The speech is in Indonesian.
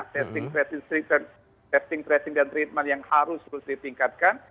testing testing tracing dan treatment yang harus terus ditingkatkan